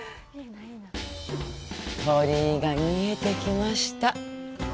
鳥居が見えてきました。